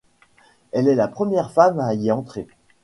Elle est la première femme à y entrer.